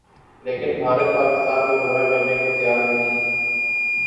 لیکن بھارت پاکستان کا دورہ کرنے کو تیار نہیں